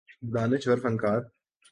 دانشور فنکار